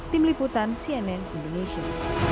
tim liputan cnn indonesia